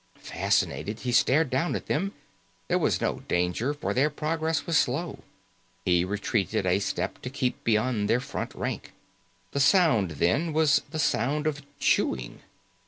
Fascinated, he stared down at them. There was no danger, for their progress was slow. He retreated a step to keep beyond their front rank. The sound, then, was the sound of chewing.